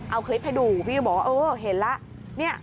เอาคลิปให้ดูพี่ก็บอกว่าเออเห็นแล้ว